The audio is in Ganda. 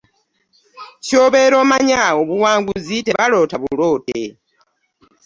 Ky'obeera omanya obuwanguzu tebaloota buloote.